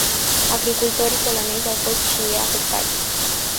Agricultorii polonezi au fost și ei afectați.